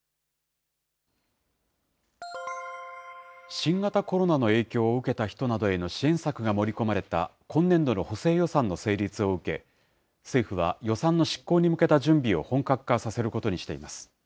新型コロナの影響を受けた人などへの支援策が盛り込まれた今年度の補正予算の成立を受け、政府は予算の執行に向けた準備を本格化させることにしています。